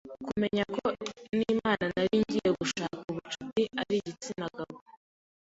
kumenya ko n’Imana nari ngiye gushakaho ubucuti ari igitsina gabo